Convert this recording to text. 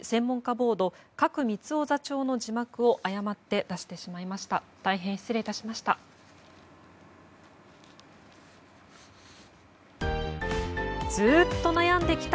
ボード賀来満夫座長の字幕を誤って出してしまいました。